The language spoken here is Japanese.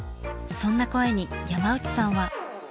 そんな声に山内さんは。